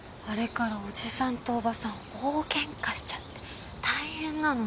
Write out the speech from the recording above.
あれからおじさんとおばさん大喧嘩しちゃって大変なの。